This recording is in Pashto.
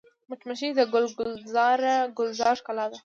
مچمچۍ د ګل ګلزار ښکلا ده